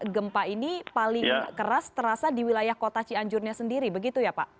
gempa ini paling keras terasa di wilayah kota cianjurnya sendiri begitu ya pak